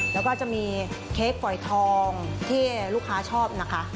แล้วก็จะมีเค้กฝอยทองที่ลูกค้าชอบนะคะ